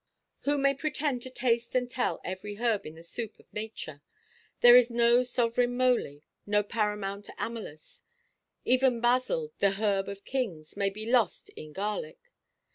Who may pretend to taste and tell every herb in the soup of nature? There is no sovereign moly, no paramount amellus; even basil (the herb of kings) may be lost in garlic.